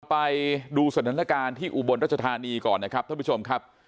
ไปดูสถานการณ์ที่อุบลรัชธานีก่อนนะครับท่านผู้ชมครับ